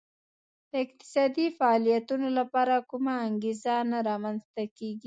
د اقتصادي فعالیتونو لپاره کومه انګېزه نه رامنځته کېږي